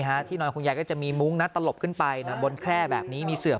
ที่นอนคุณยายก็จะมีมุ้งนะตลบขึ้นไปบนแคล่แบบนี้มีเสือก